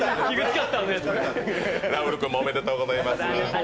ラウール君もおめでとうございます。